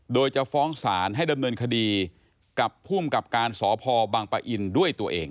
โดยจะฟ้องศาลให้ดำเนินคดีกับภูมิกับการสพบังปะอินด้วยตัวเอง